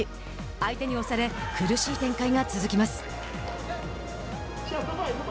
相手に押され苦しい展開が続きます。